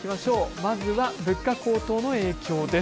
まずは物価高騰の影響です。